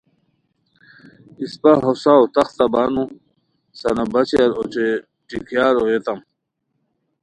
اِسپہ ہوساؤ تختہ بانو سنا باچیار اوچے ٹیکیار اویوتام